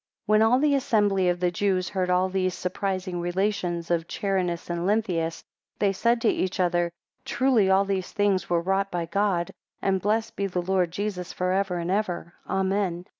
10 When all the assembly of the Jews heard all these surprising relations of Charinus and Lenthius, they said to each other, Truly all these things were wrought by God, and blessed be the Lord Jesus for ever and ever, Amen.